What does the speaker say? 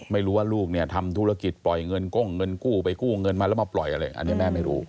ไม่รู้ว่าลูกเนี่ยทำธุรกิจปล่อยเงินก้งเงินกู้ไปกู้เงินมาแล้วมาปล่อยอะไรอันนี้แม่ไม่รู้